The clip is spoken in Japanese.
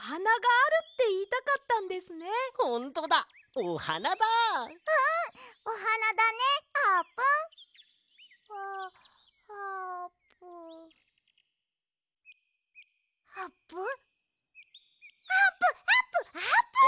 あーぷんあーぷんあーぷん！